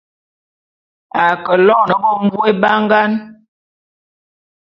A ke lone benvôé bangan .